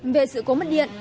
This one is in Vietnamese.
về sự cố mất điện